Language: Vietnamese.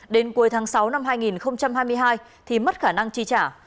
đến cuối tháng sáu năm hai nghìn hai mươi hai thì mất khả năng chi trả